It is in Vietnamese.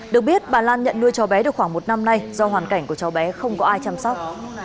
được biết bà lan nhận nuôi cháu bé được khoảng một năm nay do hoàn cảnh của cháu bé không có ai chăm sóc